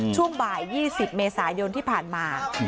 ช่วงบ่ายยี่สิบเมษายนที่ผ่านมา